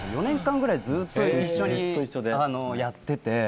４年間ぐらいずーっと一緒にやってて。